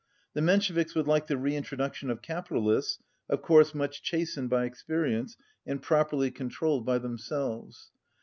The Mensheviks would like the reintroduction of capitalists, of course much chastened by expe rience, and properly controlled by themselves.